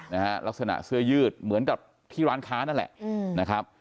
ลักษณะเสื้อยืดเหมือนกับที่ร้านค้านั่นแหละอืมนะครับ